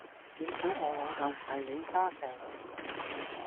點解我老竇唔係李嘉誠